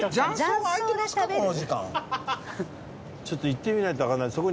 ちょっと行ってみないとわかんない。